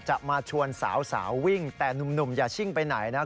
มาชวนสาววิ่งแต่หนุ่มอย่าชิ่งไปไหนนะครับ